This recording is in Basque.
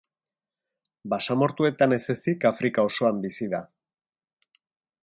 Basamortuetan ez ezik, Afrika osoan bizi da.